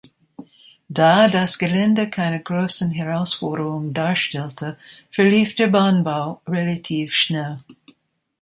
Da das Gelände keine großen Herausforderung darstellte, verlief der Bahnbau relativ schnell.